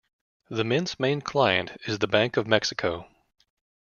The mint's main client is the Bank of Mexico.